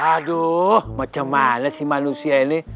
aduh macam mana sih manusia ini